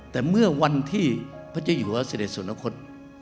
แต่เมื่อวันที่พระเจ้าอยู่ว่าเสด็จสวรรคต